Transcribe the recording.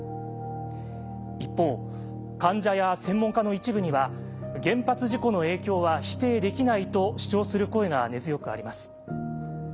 一方患者や専門家の一部には「原発事故の影響は否定できない」と主張する声が根強くあります。